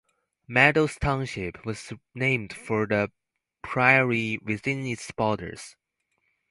Meadows Township was named for the prairie within its borders.